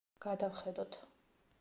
გადავხედოთ.